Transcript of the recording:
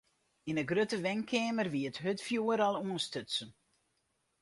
Yn de grutte wenkeamer wie it hurdfjoer al oanstutsen.